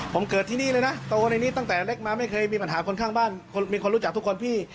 ผมเกิดที่นี่เลยนะโตในนี้ตั้งแต่เล็กมาไม่เคยมีปัญหาคนข้างบ้านมีคนรู้จักทุกคนพี่